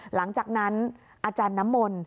เพราะฉะนั้นอาจารย์น้ำมล